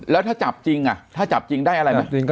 แล้วถ้าจับจริงถ้าจับจริงได้อะไรไหม